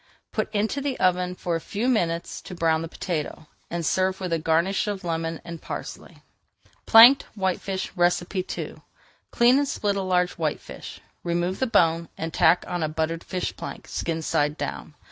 Put into the oven for a few minutes to brown the potato, and serve with a garnish of lemon and parsley. PLANKED WHITEFISH II Clean and split a large whitefish, remove the bone, and tack on a buttered fish plank, skin side down.